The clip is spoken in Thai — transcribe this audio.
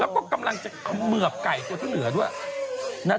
แล้วก็กำลังจะเขมือบไก่ตัวที่เหลือด้วยนะ